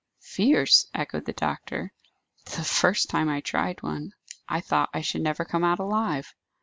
"Fierce!" echoed the doctor. "The first time I tried one, I thought I should never come out alive.